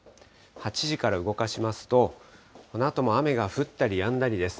８時から動かしますと、このあとも雨が降ったりやんだりです。